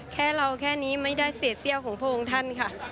แค่เราแค่นี้ไม่ได้เสียเซี่ยวของพระองค์ท่านค่ะ